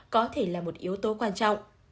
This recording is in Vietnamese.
có thể là một yếu tố quan trọng